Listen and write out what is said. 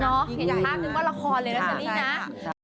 เห็นภาพนึงก็ละครเลยละสังนี้นะ